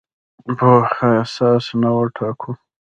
پوهه اساس نه وټاکو.